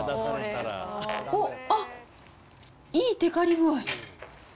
おっ、あっ、いいてかり具合。